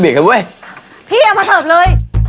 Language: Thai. พี่เอามาเทิดเลย